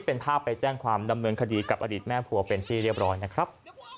เป็นแม่สามีเก่าค่ะแล้วเลิกลากับ